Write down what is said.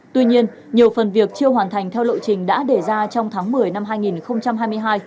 tuy nhiên nhiều phần việc chưa hoàn thành theo lộ trình đã đề ra trong tháng một mươi năm hai nghìn hai mươi hai